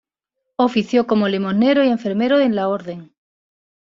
Oficio como limosnero y enfermero en la orden.